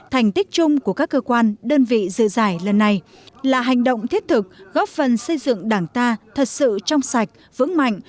thành tích chung của các cơ quan đơn vị dự giải lần này là hành động thiết thực góp phần xây dựng đảng ta thật sự trong sạch vững mạnh